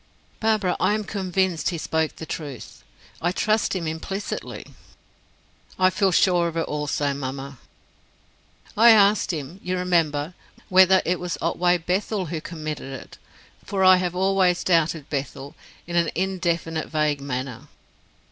"Barbara, I am convinced he spoke the truth; I trust him implicitly." "I feel sure of it also, mamma." "I asked him, you remember, whether it was Otway Bethel who committed it; for I have always doubted Bethel, in an indefinite, vague manner.